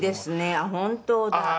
あっ本当だ」